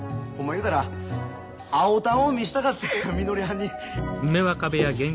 言うたら青たんを見したかったんやみのりはんに。